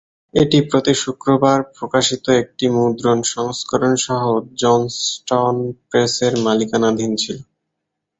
এটি প্রতি শুক্রবার প্রকাশিত একটি মুদ্রণ সংস্করণ সহ জনস্টন প্রেসের মালিকানাধীন ছিল।